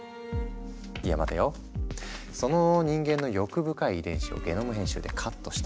いや待てよその人間の欲深い遺伝子をゲノム編集でカットしたら。